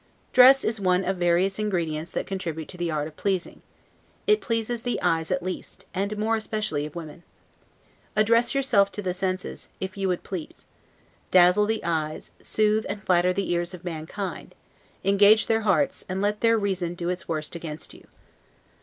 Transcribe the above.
Dress is one of various ingredients that contribute to the art of pleasing; it pleases the eyes at least, and more especially of women. Address yourself to the senses, if you would please; dazzle the eyes, soothe and flatter the ears of mankind; engage their hearts, and let their reason do its worst against you.